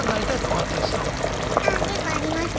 ああやっぱありますね。